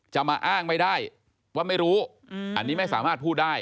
จะมาอ้างไม่ได้ว่าไม่รู้อันนี้ไม่สามารถพูดได้